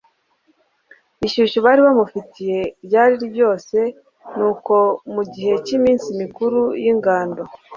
ishyushyu bari bamufitiye ryari ryose. Nuko mu gihe cy'iminsi mukuru y'ingando,